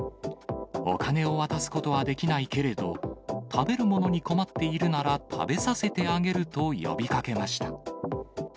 お金を渡すことはできないけれど、食べるものに困っているなら食べさせてあげると呼びかけました。